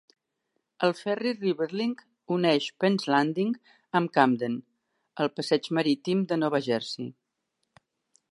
El ferri RiverLink uneix Penn's Landing amb Camden, el passeig marítim de Nova Jersey.